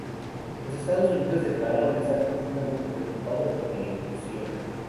Los Estados Unidos declararon estar "profundamente preocupados" por la incursión.